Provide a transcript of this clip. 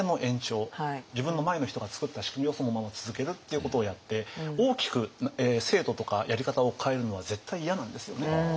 自分の前の人がつくった仕組みをそのまま続けるっていうことをやって大きく制度とかやり方を変えるのは絶対嫌なんですよね。